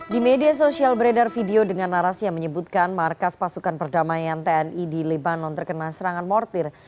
di media sosial beredar video dengan narasi yang menyebutkan markas pasukan perdamaian tni di lebanon terkena serangan mortir